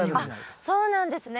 あっそうなんですね。